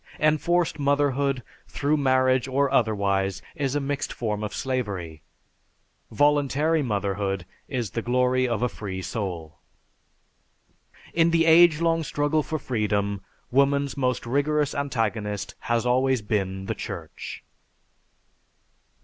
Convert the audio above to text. Enforced motherhood, through marriage or otherwise, is a mixed form of slavery, voluntary motherhood is the glory of a free soul." In the age long struggle for freedom, woman's most rigorous antagonist has always been the Church.